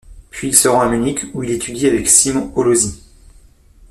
Puis il se rend à Munich, où il étudie avec Simon Hollósy.